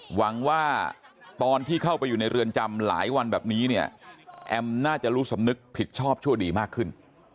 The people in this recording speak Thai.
หวังว่าตอนที่เข้าไปอยู่ในเรือนจำหลายวันแบบนี้เนี่ยแอมน่าจะรู้สำนึกผิดชอบชั่วดีมากขึ้น